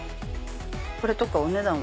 これとかお値段がさ。